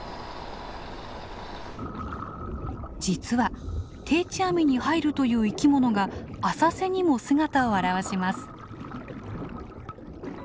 実は定置網に入るという生きものが浅瀬にも姿を現します。